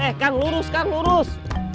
eh kang lurus kang lurus